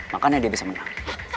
makanya dia bisa menang